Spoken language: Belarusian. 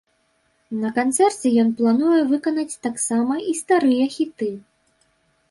На канцэрце ён плануе выканаць таксама і старыя хіты.